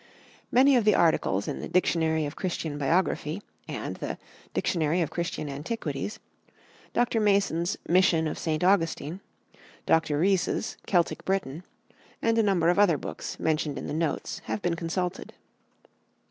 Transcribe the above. Many of the articles in the "Dictionary of Christian Biography" and the "Dictionary of Christian Antiquities," Dr. Mason's "Mission of St. Augustine," Dr. Rhŷs's "Celtic Britain," and a number of other books, mentioned in the notes, have been consulted.